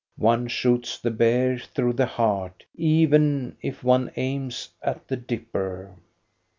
One shoots the bear through the heart, even if one aims at the Dipper.